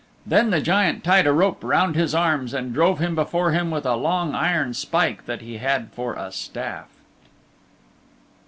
Then the Giant tied a rope round his arms and drove him before him with a long iron spike that he had for a staff.